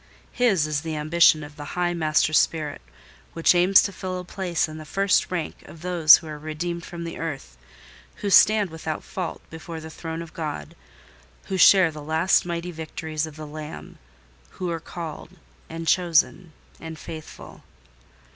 His is the ambition of the high master spirit, which aims to fill a place in the first rank of those who are redeemed from the earth—who stand without fault before the throne of God, who share the last mighty victories of the Lamb, who are called, and chosen, and faithful.